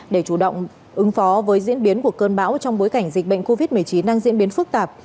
để chủ động ứng phó với diễn biến của cơn bão trong bối cảnh dịch bệnh covid một mươi chín đang diễn biến phức tạp